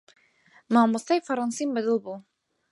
مامۆستای فەڕەنسیم بەدڵ بوو.